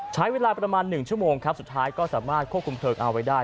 ใช้เวลาประมาณ๑ชั่วโมงครับสุดท้ายก็สามารถควบคุมเพลิงเอาไว้ได้